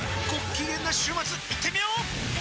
きげんな週末いってみよー！